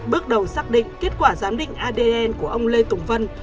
bước đầu xác định kết quả giám định adn của ông lê tùng vân